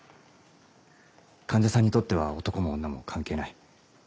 患者さんにとっては男も女も関係ない。